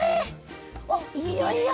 おっいいよいいよ。